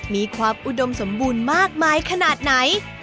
มีความอุดมสมบูรณ์มากมายขนาดไหน